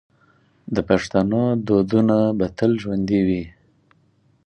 د پښتنو دودونه به تل ژوندي وي.